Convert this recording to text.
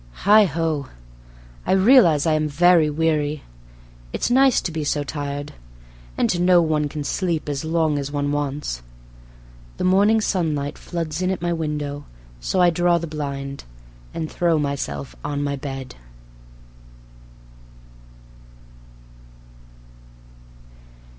Heigh ho! I realize I am very weary. It's nice to be so tired, and to know one can sleep as long as one wants. The morning sunlight floods in at my window, so I draw the blind, and throw myself on my bed.